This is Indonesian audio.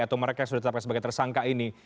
atau mereka yang sudah ditetapkan sebagai tersangka ini